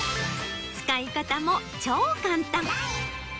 使い方も超簡単。